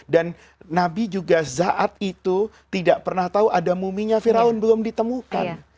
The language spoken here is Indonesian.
dan nabi juga saat itu tidak pernah tahu ada muminya fir'aun belum ditemukan